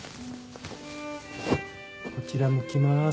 こちら向きます。